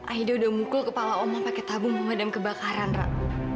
aida udah mukul kepala oma pake tabung memadam kebakaran rak